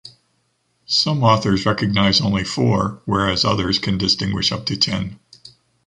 Some authors recognize only four whereas others can distinguish up to ten.